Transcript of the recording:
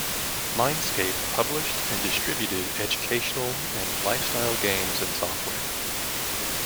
Mindscape published and distributed educational and lifestyle games and software.